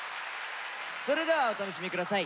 それではお楽しみ下さい。